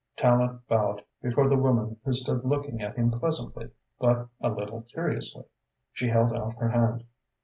Tallente bowed before the woman who stood looking at him pleasantly, but a little curiously. She held out her hand.